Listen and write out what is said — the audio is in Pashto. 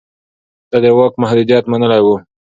ده د واک محدوديت منلی و.